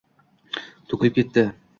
To‘kilib ketdi.